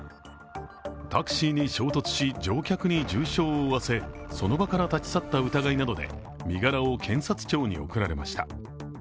タクシーに衝突し乗客に重傷を負わせその場から立ち去った疑いなどで身柄を検察庁に送られました。